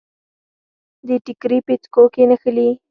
د ټیکري پیڅکو کې نښلي